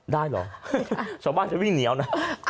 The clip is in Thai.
ได้เหรอชาวบ้านจะวิ่งเหนียวนะ